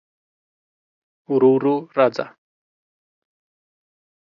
ورو ورو راځه